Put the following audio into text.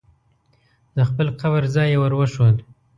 د خپل قبر ځای یې ور وښود.